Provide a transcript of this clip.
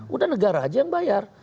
udah negara aja yang bayar